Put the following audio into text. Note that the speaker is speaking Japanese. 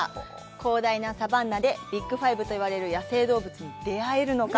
広大なサバンナでビッグ５といわれる野生動物に出会えるのか。